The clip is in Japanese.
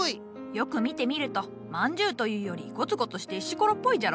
よく見てみると饅頭というよりゴツゴツして石ころっぽいじゃろ？